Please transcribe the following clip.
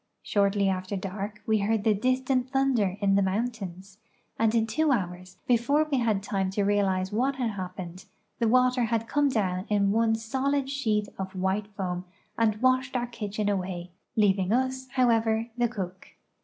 Shortly after dark we heard the distant thunder in the mountains, and in two hours, before we bad even time to realize wbat had happened, the water came doAvn in one solid sheet of white foam and washed our kitchen away, leaving us. A JOURNEY IN ECUADOR 245 however, the cook.